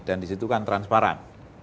dan disitu kan transparan